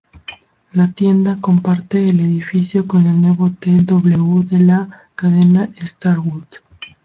La tienda comparte el edificio con el nuevo hotel 'W' de la cadena Starwood.